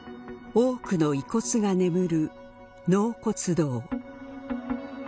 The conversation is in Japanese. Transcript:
多くの遺骨が眠る納骨堂。